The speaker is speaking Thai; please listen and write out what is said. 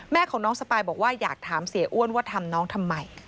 แม่ของน้องสปายบอกว่าอยากถามเสียอ้วนว่าทำน้องทำไม